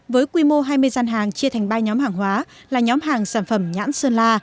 với quy mô hai mươi gian hàng chia thành ba nhóm hàng hóa là nhóm hàng sản phẩm nhãn sơn la